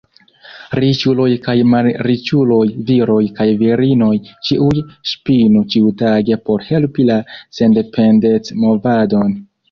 Riĉuloj kaj malriĉuloj, viroj kaj virinoj, ĉiuj ŝpinu ĉiutage por helpi la sendependecmovadon.